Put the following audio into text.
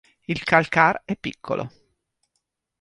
Il calcar è piccolo.